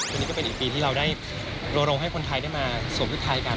วันนี้ก็เป็นอีกปีที่เราได้โรลงให้คนไทยได้มาสวมชุดไทยกัน